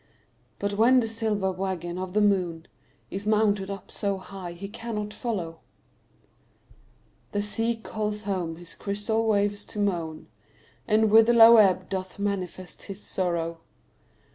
But when the silver waggon of the moon Is mounted up so high he cannot follow, The sea calls home his crystal waves to moan, And with low ebb doth manifest his sorrow.